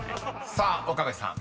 ［さあ岡部さん